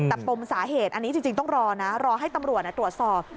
แต่ปมสาเหตุอันนี้จริงต้องรอนะรอให้ตำรวจตรวจสอบ